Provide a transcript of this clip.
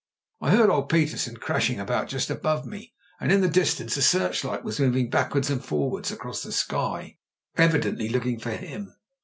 I heard old Petersen crashing about just above me; and in the distance a searchlight was moving backwards and forwards across the sky, evidently look ing for him.